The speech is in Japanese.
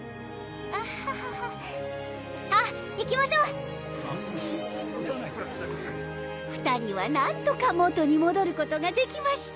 アハハハさぁ行きましょう２人はなんとか元にもどることができまし